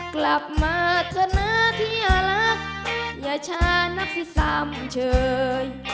กลับมาเธอนะเธอรักอย่าช้านักสิสำเชย